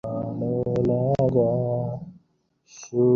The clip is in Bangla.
সুরমা মুখ তুলিয়া চাহিল, আর কিছু বলিল না।